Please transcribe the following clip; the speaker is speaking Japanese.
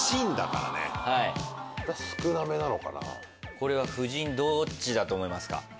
これは夫人どっちだと思いますか？